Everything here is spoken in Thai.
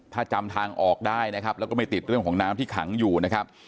ถ้าจำทางออกได้นะครับแล้วก็ไม่ติดเรื่องของน้ำที่ขังอยู่นะครับ